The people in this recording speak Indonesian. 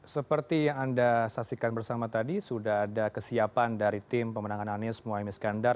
seperti yang anda saksikan bersama tadi sudah ada kesiapan dari tim pemenangan anies mohaimiskandar